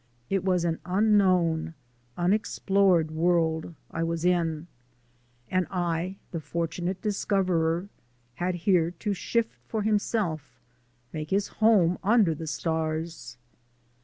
It was an unknown, unexplored world I was in, and I, the fortunate discoverer, had here to shift for himself, make his home under the stars!